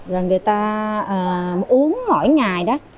rồi người ta uống mỗi ngày đó